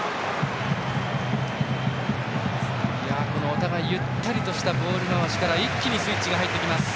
お互い、ゆったりとしたボール回しから一気にスイッチが入ってきます。